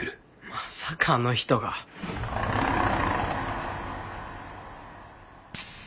まさかあの人が。着てる。